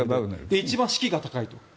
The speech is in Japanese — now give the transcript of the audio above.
一番士気が高いと。